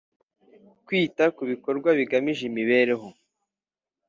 Kwita kubikorwa bigamije imibereho